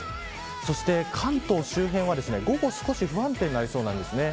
そして、関東周辺は午後少し不安定になりそうなんです。